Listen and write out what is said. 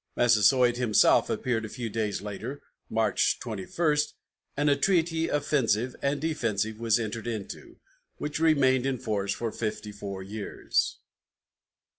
Massasoit himself appeared a few days later (March 21), and a treaty offensive and defensive was entered into, which remained in force for fifty four years.